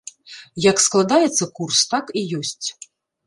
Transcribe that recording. Як складаецца курс, так і ёсць.